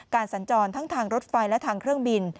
สัญจรทั้งทางรถไฟและทางเครื่องบิน